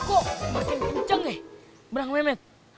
kok makin kenceng ya benang mehmet